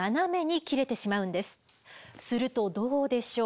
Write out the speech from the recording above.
するとどうでしょう？